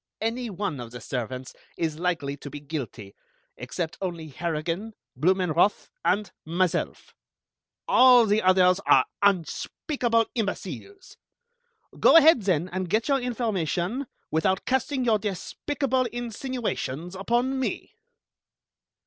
Any one of the servants is likely to be guilty, except only Harrigan, Blumenroth, and myself. All the others are unspeakable imbeciles! Go ahead, then, and get your information, without casting your despicable insinuations upon me."